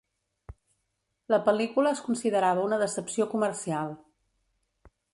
La pel·lícula es considerava una decepció comercial.